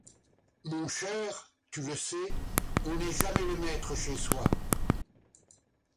Mon cher, tu le sais, on n'est jamais le maître chez soi.